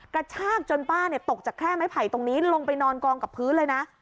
กระชากจนป้าตกจากแค่ไม้ไผ่ตรงนี้ลงไปนอนกองกับพื้นเลยนะ